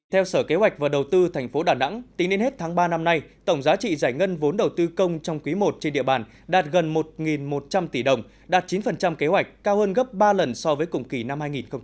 theo sở kế hoạch và đầu tư tp đà nẵng tính đến hết tháng ba năm nay tổng giá trị giải ngân vốn đầu tư công trong quý i trên địa bàn đạt gần một một trăm linh tỷ đồng đạt chín kế hoạch cao hơn gấp ba lần so với cùng kỳ năm hai nghìn một mươi tám